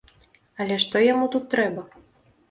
Але што яму тут трэба?